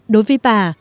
đối với bà